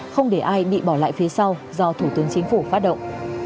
không để ai bị bỏ lại phía sau do thủ tướng chính phủ phát động